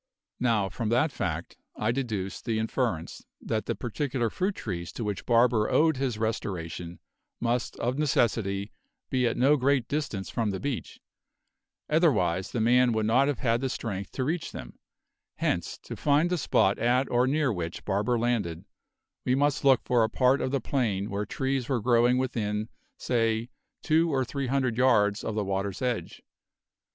Now, from that fact I deduced the inference that the particular fruit trees to which Barber owed his restoration must of necessity be at no great distance from the beach, otherwise the man would not have had strength to reach them; hence, to find the spot at or near which Barber landed, we must look for a part of the plain where trees were growing within, say, two or three hundred yards of the water's edge.